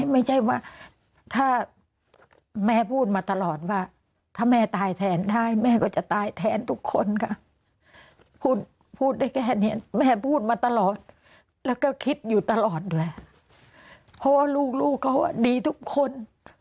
ไม่ใช่ว่าถ้าแม่พูดมาตลอดว่าถ้าแม่ตายแทนได้แม่ก็จะตายแทนทุกคนค่ะพูดพูดได้แค่นี้แม่พูดมาตลอดแล้วก็คิดอยู่ตลอดด้วยเพราะว่าลูกเขาดีทุกคน